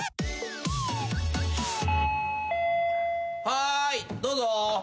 ・はいどうぞ。